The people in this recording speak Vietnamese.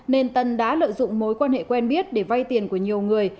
nên tân đã lợi dụng mối quan hệ quen biết để vay tiền của nhiều người